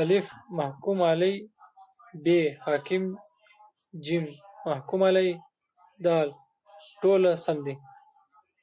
الف: محکوم علیه ب: حاکم ج: محکوم علیه د: ټوله سم دي